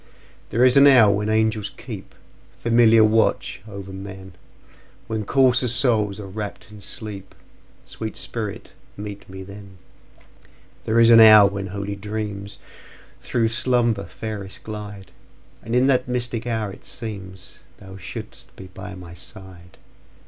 There is an hour when angels keepFamiliar watch o'er men, When coarser souls are wrapp'd in sleep—Sweet spirit, meet me then! There is an hour when holy dreamsThrough slumber fairest glide; And in that mystic hour it seemsThou shouldst be by my side.